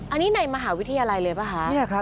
อันนี้ในมหาวิทยาลัยเลยป่ะคะ